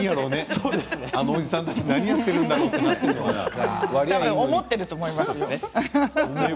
そう思っていると思いますよ。